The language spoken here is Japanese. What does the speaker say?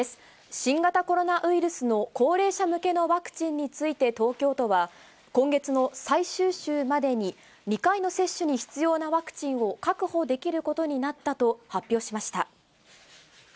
新型コロナウイルスの高齢者向けのワクチンについて、東京都は、今月の最終週までに、２回の接種に必要なワクチンを確保できることになったと発表しました。